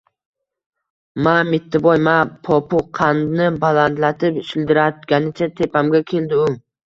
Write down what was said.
– Ma, Mittivoy, ma! – popukqandni balandlatib shildiratganicha tepamga keldi u